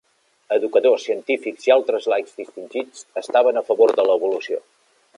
Educadors, científics i altres laics distingits estaven a favor de l'evolució.